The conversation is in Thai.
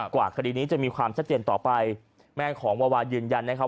กว่าคดีนี้จะมีความทรัพย์เตียนต่อไปแม่ของวาวายืนยันนะ